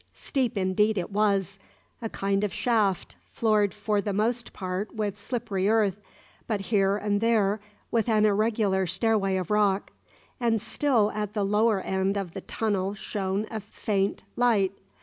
Steep indeed it was. A kind of shaft, floored for the most part with slippery earth, but here and there with an irregular stairway of rock; and still at the lower end of the tunnel shone a faint light.